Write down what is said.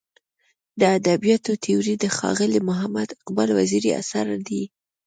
د ادبیاتو تیوري د ښاغلي محمد اقبال وزیري اثر دی.